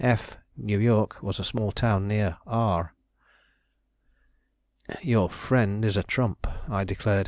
F , N. Y., was a small town near R . "Your friend is a trump," I declared.